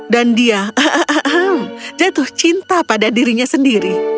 dan dia jatuh cinta pada dirinya sendiri